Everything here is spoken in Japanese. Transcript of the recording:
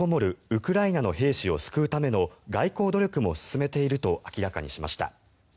ウクライナの兵士を救うための外交努力も進めていると明らかにしました。